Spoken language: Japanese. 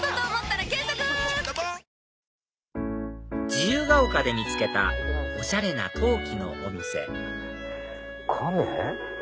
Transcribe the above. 自由が丘で見つけたおしゃれな陶器のお店亀？